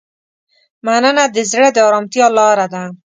مننه د زړه د ارامتیا لاره ده.